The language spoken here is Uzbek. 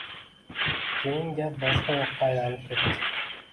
Keyin gap boshqa yoqqa aylanib ketdi.